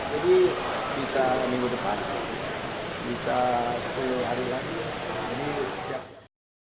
jadi bisa minggu depan bisa sepuluh hari lagi ini siap siap